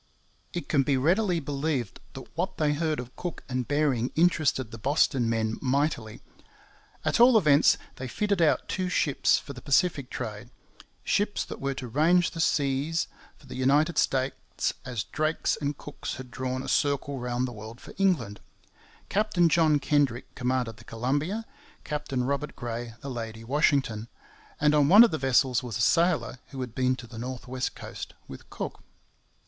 It can be readily believed that what they heard of Cook and Bering interested the Boston men mightily. At all events, they fitted out two ships for the Pacific trade ships that were to range the seas for the United States as Drake's and Cook's had drawn a circle round the world for England. Captain John Kendrick commanded the Columbia, Captain Robert Gray the Lady Washington, and on one of the vessels was a sailor who had been to the North West coast with Cook.